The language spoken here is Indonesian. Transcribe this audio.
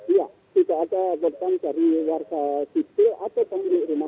iya tidak ada korban dari warga sipil atau pemilik rumah